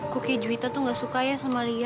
kok ki juwita itu tidak suka ya sama lia